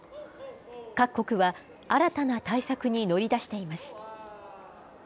各国は、新たな対策に乗り出しています。